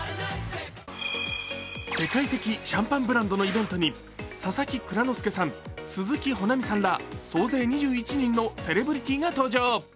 世界的シャンパンブランドのイベントに佐々木蔵之介さん、鈴木保奈美さんら総勢２１人のセレブリティーが登場。